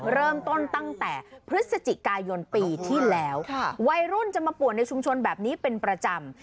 เริ่มต้นตั้งแต่พฤศจิกายนปีที่แล้ววัยรุ่นจะมาป่วนในชุมชนแบบนี้เป็นประจำ